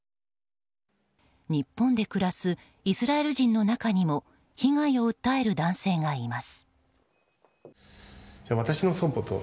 日本で暮らすイスラエル人の中にも被害を訴える男性がいます。